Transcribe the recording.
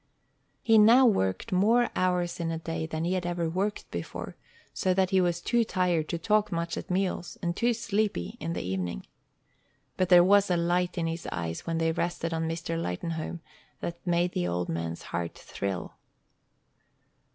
He now worked more hours in a day than he had ever worked before, so that he was too tired to talk much at meals, and too sleepy in the evening. But there was a light in his eyes when they rested on Mr. Lightenhome that made the old man's heart thrill.